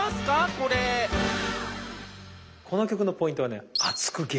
これこの曲のポイントはね